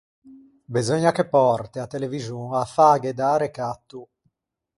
Beseugna che pòrte a televixon à fâghe dâ recatto.